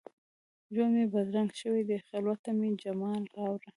ژوند مي بدرنګ شوی دي، خلوت ته مي جمال راوړه